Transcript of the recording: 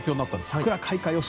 桜開花予想。